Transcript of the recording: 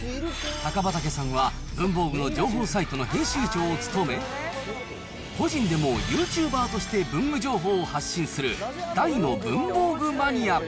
高畑さんは、文房具の情報サイトの編集長を務め、個人でもユーチューバーとして文具情報を発信する、大の文房具マ